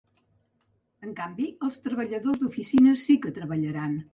En canvi, els treballadors d’oficina sí que treballaran.